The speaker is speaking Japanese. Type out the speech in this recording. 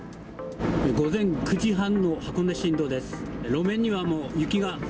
午前９時半の箱根新道です。